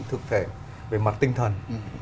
thực thể về mặt tinh thần